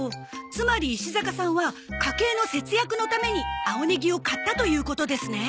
つまり石坂さんは家計の節約のために青ネギを買ったということですね？